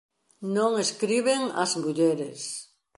Non escriben ás mulleres.